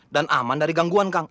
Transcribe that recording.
dan aman dari gangguan kang